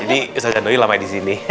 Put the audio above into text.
ini ustadz zanuyuy lamanya di sini